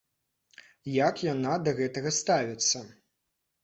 Як яна да гэтага ставіцца?